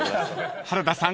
［原田さん